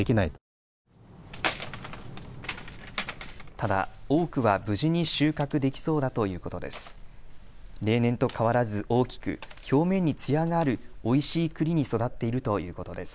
ただ多くは無事に収穫できそうだということです。